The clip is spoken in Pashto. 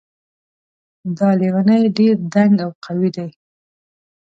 دا لیونۍ ډېر دنګ او قوي ده